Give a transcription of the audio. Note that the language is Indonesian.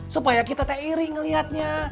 supaya kita tak iri ngelihatnya